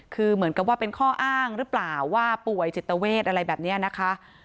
คือเหมือนกับว่าเป็นข้ออ้างหรือเปล่าว่าป่วยจิตเวทอะไรแบบนี้นะคะ